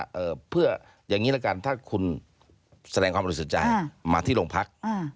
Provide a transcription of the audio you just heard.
แบบเผื่ออย่างนี้แล้วกันถ้าคุณแสดงความรู้สึกใจมีมาที่โรงพรรค